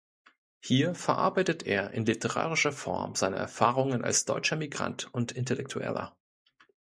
Hier verarbeitet er in literarischer Form seine Erfahrungen als deutscher Migrant und Intellektueller.